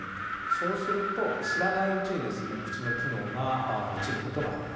そうすると知らないうちにですね口の機能が落ちる事があります。